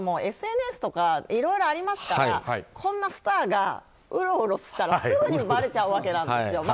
今、ＳＮＳとかいろいろありますからこんなスターがうろうろしたらすぐにばれちゃうんですよ。